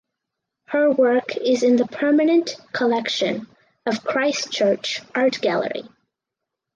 Her work is in the permanent collection of Christchurch Art Gallery.